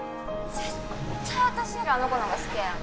絶対私よりあの子の方が好きやよな